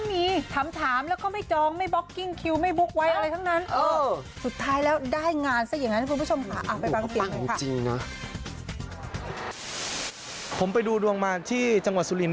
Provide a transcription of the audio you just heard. ไปฟังเสียงหน่อยค่ะผมไปดูดวงมาที่จังหวัดสุรินทร์